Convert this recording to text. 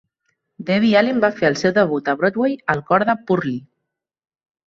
Debbie Allen va fer el seu debut a Broadway al cor de "Purlie".